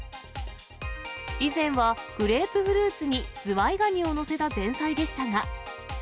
以前はグレープフルーツにズワイガニを載せた前菜でしたが。